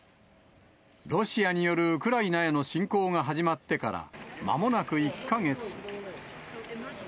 ロシアによるウクライナへの侵攻が始まってからまもなく１か月。